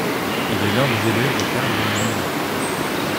Il est l'un des élèves de Carl von Linné.